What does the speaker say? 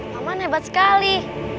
paman hebat sekali